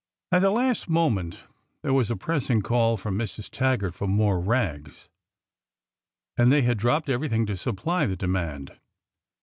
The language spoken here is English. At the last moment there was a pressing call from Mrs. Taggart for more rags, and they had dropped everything to supply the demand.